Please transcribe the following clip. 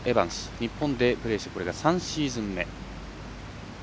日本でプレーしてこれで３シーズン目。